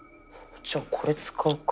じゃあこれ使うか。